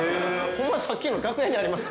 ほんまさっきの楽屋にあります。